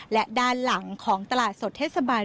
และด้านหลังของตลาดสดเทศบาล